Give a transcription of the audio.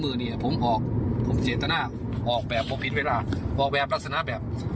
เนี่ยผมออกผมเจตนาออกแบบผมเห็นเวลาออกแบบลักษณะแบบ